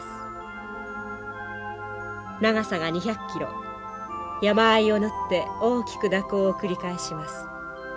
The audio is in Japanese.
長さが２００キロ山あいを縫って大きく蛇行を繰り返します。